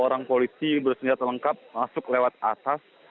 orang polisi bersenjata lengkap masuk lewat atas